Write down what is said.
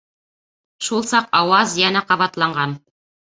Шул саҡ ауаз йәнә ҡабатланған: